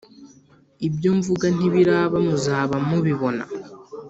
ibyo mvuga ntabirabamuzaba mubibona